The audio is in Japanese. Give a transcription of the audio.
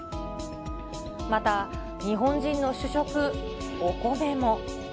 また日本人の主食、お米も。